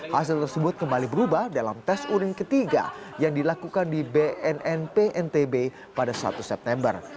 hasil tersebut kembali berubah dalam tes urin ketiga yang dilakukan di bnnp ntb pada satu september